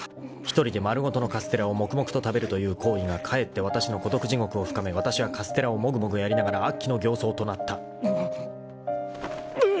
［１人で丸ごとのカステラを黙々と食べるという行為がかえってわたしの孤独地獄を深めわたしはカステラをもぐもぐやりながら悪鬼の形相となった］